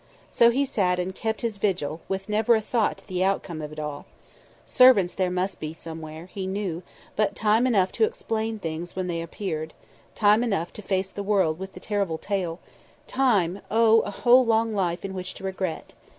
So he sat and kept his vigil with never a thought to the outcome of it all. Servants there must be somewhere, he knew, but time enough to explain things when they appeared; time enough to face the world with the terrible tale; time oh! a whole long life in which to regret.